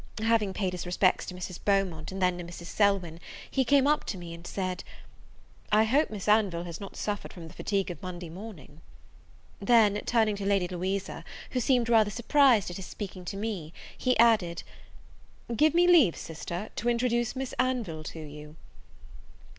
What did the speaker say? Having paid his respects to Mrs. Beaumont, and then to Mrs. Selwyn, he came up to me, and said, "I hope Miss Anville has not suffered from the fatigue of Monday morning?" Then, turning to Lady Louisa, who seemed rather surprised at his speaking to me, he added, "Give me leave, sister, to introduce Miss Anville to you."